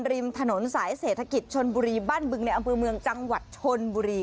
ริมถนนสายเศรษฐกิจชนบุรีบ้านบึงในอำเภอเมืองจังหวัดชนบุรี